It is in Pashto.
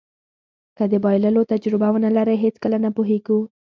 که د بایللو تجربه ونلرئ هېڅکله نه پوهېږو.